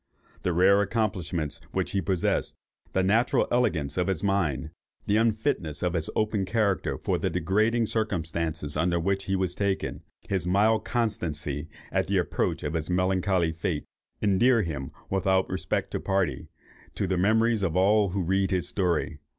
The rare accomplishments which he possessed, the natural elegance of his mind, the unfitness of his open character for the degrading circumstances under which he was taken, and his mild constancy at the approach of his melancholy fate, endear him, without respect to party, to the memories of all who read his story.